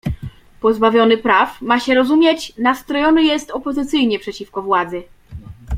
"Pozbawiony praw, ma się rozumieć, nastrojony jest opozycyjnie przeciwko władzy."